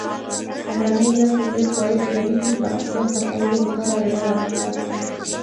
بهرنۍ مرستې د پایښت لرونکي پراختیا هڅولو لپاره یوه وسیله ده